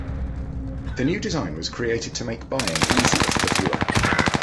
The new design was created to make buying easier for the viewer.